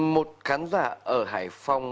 một khán giả ở hải phòng